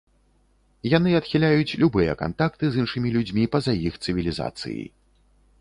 Яны адхіляюць любыя кантакты з іншымі людзьмі па-за іх цывілізацыі.